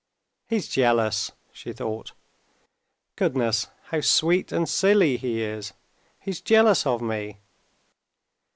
"He's jealous," she thought. "Goodness! how sweet and silly he is! He's jealous of me!